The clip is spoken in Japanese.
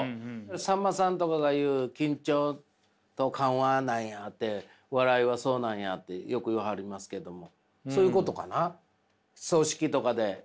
さんまさんとかが言う「緊張と緩和なんや」って「笑いはそうなんや」ってよく言わはりますけどもそういうことかな？